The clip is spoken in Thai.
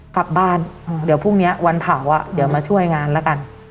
กลับบ้านเดี๋ยวพรุ่งนี้วันเผาอ่ะเดี๋ยวมาช่วยงานแล้วกัน